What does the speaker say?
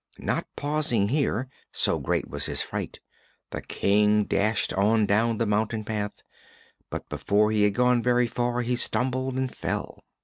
Not pausing here, so great was his fright, the King dashed on down the mountain path, but before he had gone very far he stumbled and fell.